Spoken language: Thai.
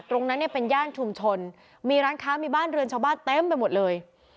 ตรงนั้นเนี่ยเป็นย่านชุมชนมีร้านค้ามีบ้านเรือนชาวบ้านเต็มไปหมดเลย